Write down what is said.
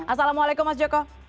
assalamualaikum mas joko